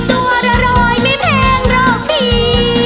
ตัวละร้อยไม่แพงหรอกพี่